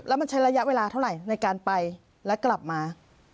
แล้วมันใช้ระยะเวลาเท่าไหร่ในการไปและกลับมา